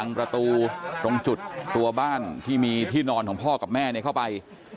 ประตูตรงจุดตัวบ้านที่มีที่นอนของพ่อกับแม่เข้าไป